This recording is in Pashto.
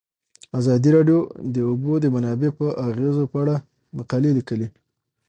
ازادي راډیو د د اوبو منابع د اغیزو په اړه مقالو لیکلي.